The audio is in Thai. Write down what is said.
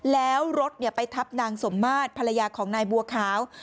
แล้วรถไปทับนางสมมาตรภรรยาของนายบัวขาว